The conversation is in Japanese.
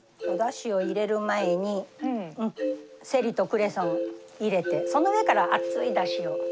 おだしを入れる前にセリとクレソン入れてその上から熱いだしを。